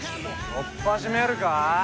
おっぱじめるか。